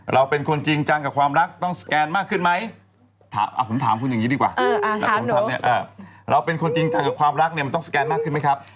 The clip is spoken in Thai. เราเป็นคนจริงจังกับความรักต้องสแกนมากขึ้นไหมผมถามคุณอย่างนี้ดีกว่าแล้วผมทำเนี่ยเราเป็นคนจริงใจกับความรักเนี่ยมันต้องสแกนมากขึ้นไหมครับ